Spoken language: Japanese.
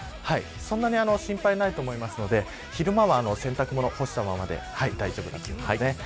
そんなに心配ないと思いますので昼間は洗濯物干したままで大丈夫です。